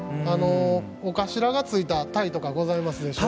お頭がついたタイとかございますでしょ。